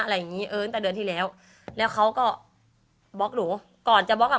อย่างงี้เออตั้งแต่เดือนที่แล้วแล้วเขาก็บล็อกหนูก่อนจะบล็อกอ่ะ